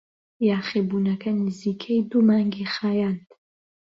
یاخیبوونەکە نزیکەی دوو مانگی خایاند.